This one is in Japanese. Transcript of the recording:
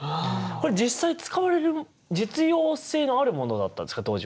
これ実際使われる実用性のあるものだったんですか当時は。